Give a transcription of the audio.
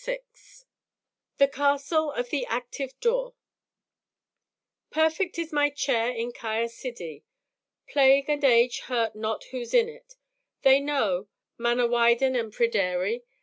VI THE CASTLE OF THE ACTIVE DOOR Perfect is my chair in Caer Sidi; Plague and age hurt not who's in it They know, Manawydan and Pryderi.